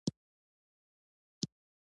نمک د افغانستان د بڼوالۍ برخه ده.